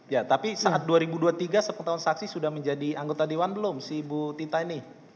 ya tapi saat dua ribu dua puluh tiga sepuluh tahun saksi sudah menjadi anggota dewan belum si bu tita ini